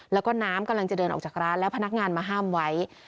แล้วก็น้ำกำลังจะเดินออกจากร้านแล้วพนักงานมาห้ามไว้